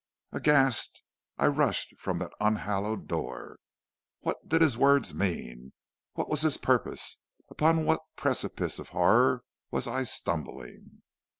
"Aghast, I rushed from that unhallowed door. What did his words mean? What was his purpose? Upon what precipice of horror was I stumbling?